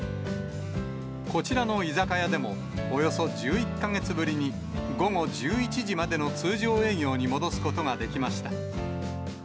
こちらの居酒屋でもおよそ１１か月ぶりに、午後１１時までの通常営業に戻すことができました。